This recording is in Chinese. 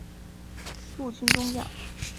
陆军中将。